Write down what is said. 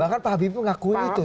bahkan pak habibie ngakuin itu